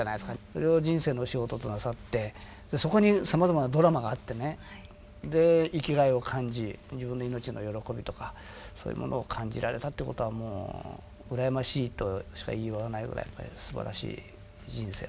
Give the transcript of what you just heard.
それを人生の仕事となさってそこにさまざまなドラマがあってねで生きがいを感じ自分の命の喜びとかそういうものを感じられたってことは羨ましいとしか言いようがないぐらいやっぱりすばらしい人生